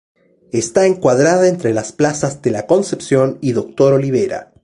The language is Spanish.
Está encuadrada entre las plazas de La Concepción y Doctor Olivera.